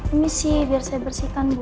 ini sih biar saya bersihkan bu